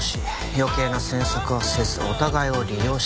余計な詮索はせずお互いを利用しよう。